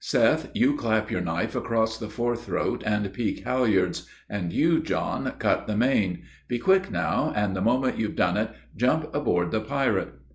Seth, you clap your knife across the fore throat and peak halyards; and you, John, cut the main. Be quick now, an' the moment you've done it, jump aboard the pirate.